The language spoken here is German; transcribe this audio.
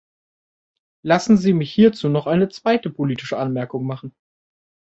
Lassen Sie mich hierzu noch eine zweite politische Anmerkung machen.